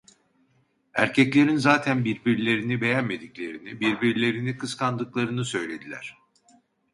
Erkeklerin zaten birbirlerini beğenmediklerini, birbirlerini kıskandıklarını söylediler.